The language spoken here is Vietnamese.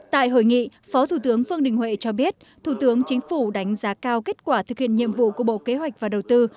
tại hội nghị phó thủ tướng vương đình huệ cho biết thủ tướng chính phủ đánh giá cao kết quả thực hiện nhiệm vụ của bộ kế hoạch và đầu tư